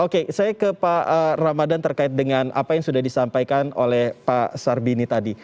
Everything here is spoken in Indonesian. oke saya ke pak ramadhan terkait dengan apa yang sudah disampaikan oleh pak sarbini tadi